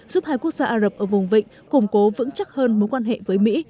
giúp hai quốc gia ả rập ở vùng vịnh củng cố vững chắc hơn mối quan hệ với mỹ